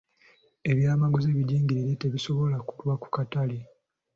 Ebyamaguzi ebijingirire tebisobola kulwa ku katale.